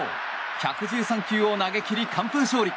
１１３球を投げ切り完封勝利。